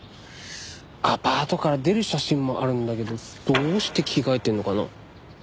アパートから出る写真もあるんだけどどうして着替えてるのかな？